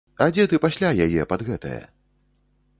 А дзе ты пасля яе пад гэтае?